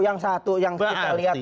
yang satu yang kita lihat